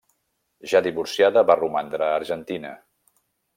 Ja divorciada, va romandre a Argentina.